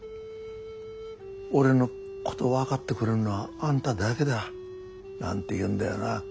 「俺のことを分かってくれるのはあんただけだ」なんて言うんだよな。